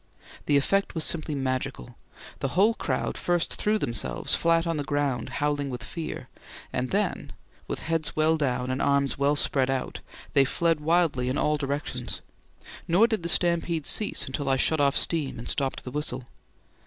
The effect was simply magical. The whole crowd first threw themselves flat on the ground howling with fear, and then with heads well down and arms well spread out they fled wildly in all directions; nor did the stampede cease until I shut off steam and stopped the whistle.